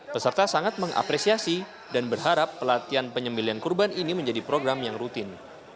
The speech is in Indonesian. peserta sangat mengapresiasi dan berharap pelatihan penyembelian kurban ini menjadi program yang rutin